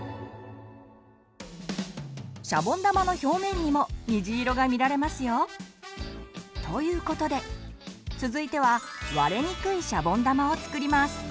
シャボン玉の表面にも虹色が見られますよ！ということで続いては割れにくいシャボン玉を作ります。